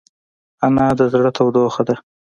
انا د زړه تودوخه ده